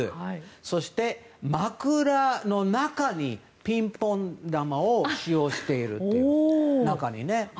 そして、枕の中にピンポン球を使用している。